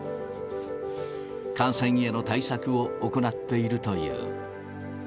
感染への対策を行っているという。